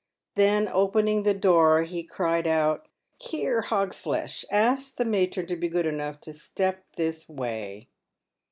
Then opening the door, he cried out :" Here, Hogsflesh, ask the matron to be good enough to step. this way."